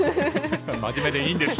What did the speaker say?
真面目でいいんです。